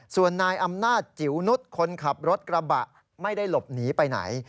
ส่วนนายอำนาจจิ๋วนุษย์คนขับรถกระบะไม่ได้หลบหนีไปไหน